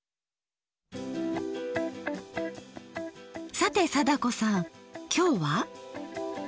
さて貞子さんきょうは？